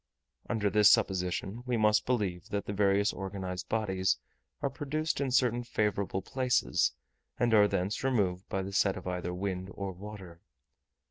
Under this supposition we must believe that the various organized bodies are produced in certain favourable places, and are thence removed by the set of either wind or water.